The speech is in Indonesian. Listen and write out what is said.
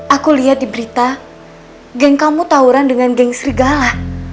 aku lihat di berita geng kamu tauran dengan geng serigala